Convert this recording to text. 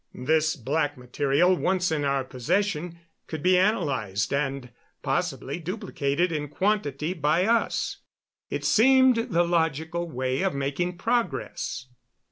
This black material, once in our possession, could be analyzed and possibly be duplicated in quantity by us. It seemed the logical way of making progress.